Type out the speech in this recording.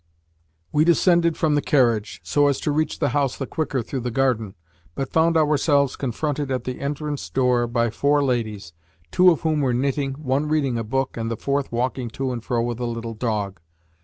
We descended from the carriage, so as to reach the house the quicker through the garden, but found ourselves confronted at the entrance door by four ladies, two of whom were knitting, one reading a book, and the fourth walking to and fro with a little dog.